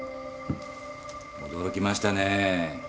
驚きましたね。